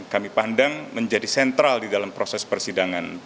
kami pandang menjadi sentral di dalam proses persidangan